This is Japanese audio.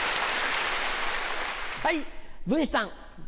はい文枝さん。